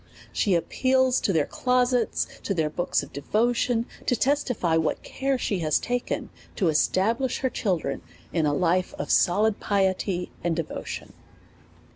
She appeals to their clo sets, to their books of devotion, to testify what care she has taken to establish her children in a life of solid piety and devotion.